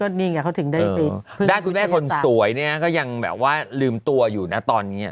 นี่ไงเขาถึงได้คุณแม่คนสวยเนี่ยก็ยังแบบว่าลืมตัวอยู่นะตอนนี้